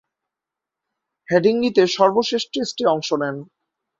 হেডিংলিতে সর্বশেষ টেস্টে অংশ নেন।